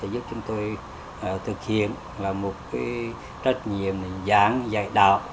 giúp chúng tôi thực hiện một trách nhiệm giảng dạy đọ